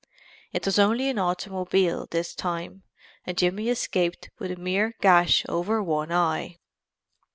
It was only an automobile this time and Jimmy escaped with a mere gash over one eye.